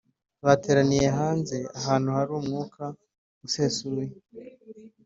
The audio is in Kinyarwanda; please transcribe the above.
bateraniye hanze ahantu hari umwuka usesuye